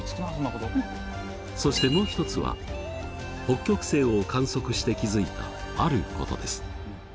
そしてもう一つは北極星を観測して気付いたあることです。